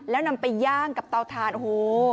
แล้วนำไปย่างกับเตาถ่านโอ้โห